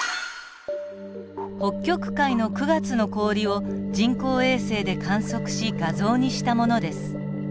北極海の９月の氷を人工衛星で観測し画像にしたものです。